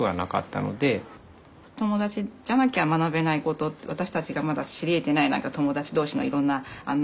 友達じゃなきゃ学べないこと私たちがまだ知りえてない何か友達同士のいろんなあんな